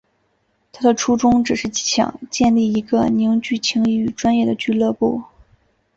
他的初衷只是想建立一个凝聚情谊与专业的俱乐部。